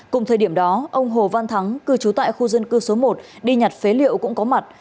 cùng thời điểm đó ông hồ văn thắng cư trú tại khu dân cư số một đi nhặt phế liệu cũng có mặt